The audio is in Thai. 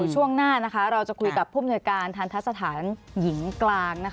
ช่วงหน้าเราจะคุยกับผู้มนวยการทันทะสถานหญิงกลาง